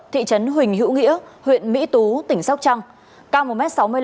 thị trấn huỳnh hữu nghĩa huyện mỹ tú tỉnh sóc trăng cao một m sáu mươi năm